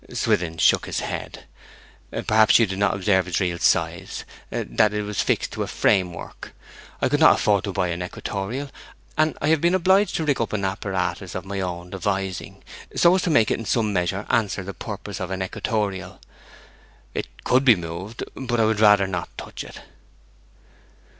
Swithin shook his head. 'Perhaps you did not observe its real size, that it was fixed to a frame work? I could not afford to buy an equatorial, and I have been obliged to rig up an apparatus of my own devising, so as to make it in some measure answer the purpose of an equatorial. It could be moved, but I would rather not touch it.'